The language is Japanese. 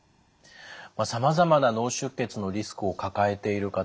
さまざまな脳出血のリスクを抱えている方